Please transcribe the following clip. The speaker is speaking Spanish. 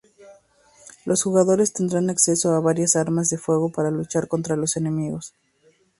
Los jugadores tendrán acceso a varias armas de fuego para luchar contra los enemigos.